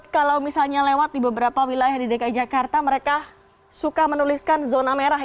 kalau misalnya lewat di beberapa wilayah di dki jakarta mereka suka menuliskan zona merah